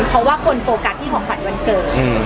เพราะว่าคนโฟกัสที่ของขวัญวันเกิด